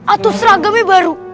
atau seragamnya baru